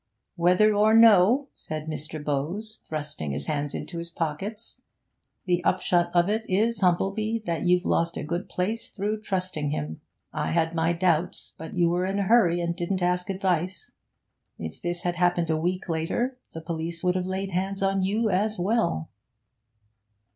'Whether or no,' said Mr. Bowes, thrusting his hands into his pockets, 'the upshot of it is, Humplebee, that you've lost a good place through trusting him. I had my doubts; but you were in a hurry, and didn't ask advice. If this had happened a week later, the police would have laid hands on you as well.'